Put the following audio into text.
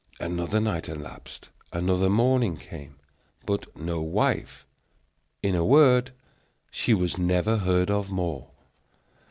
Another night elapsed, another morning came; but no wife. In a word, she was never heard of more.